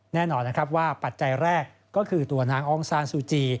แน่นอนนะครับว่าปัจจัยแรกก็คือตัวนางอองซานซูจี